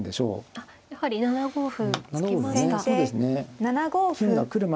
あっやはり７五歩突きました。